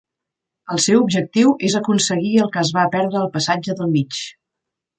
El seu objectiu és aconseguir el que es va perdre al Passatge del mig.